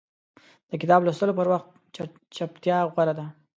د کتاب لوستلو پر وخت چپتیا غوره ده.